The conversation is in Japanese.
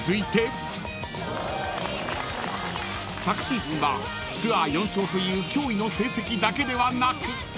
［昨シーズンはツアー４勝という驚異の成績だけではなく］